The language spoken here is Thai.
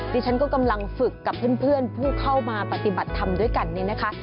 ดิฉันก็กำลังฝึกกับเพื่อนผู้เข้ามาปฏิบัติธรรมด้วยกันเนี่ยนะคะ